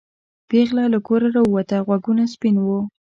پېغله له کوره راووته غوږونه سپین وو.